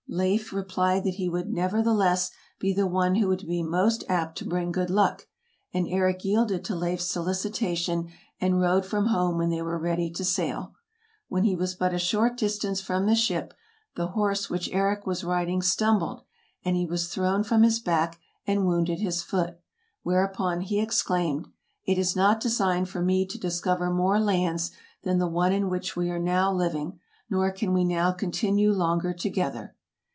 Leif re plied that he would nevertheless be the one who would be most apt to bring good luck, and Eric yielded to Leif's solicitation, and rode from home when they were ready to sail. When he was but a short distance from the ship, the horse which Eric was riding stumbled, and he was thrown from his back and wounded his foot, whereupon he ex claimed, "It is not designed for me to discover more lands than the one in which we are now living, nor can we now continue longer together."